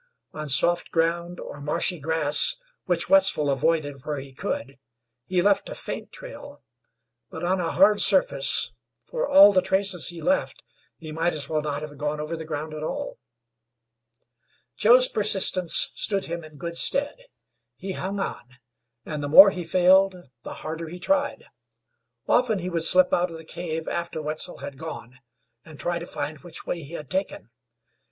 On soft ground or marshy grass, which Wetzel avoided where he could, he left a faint trail, but on a hard surface, for all the traces he left, he might as well not have gone over the ground at all. Joe's persistence stood him in good stead; he hung on, and the more he failed, the harder he tried. Often he would slip out of the cave after Wetzel had gone, and try to find which way he had taken.